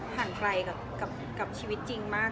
ห่างไกลกับชีวิตจริงมาก